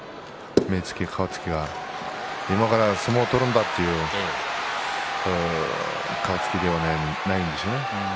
目つき、顔つきが今から相撲を取るんだという顔つきではないんですよね。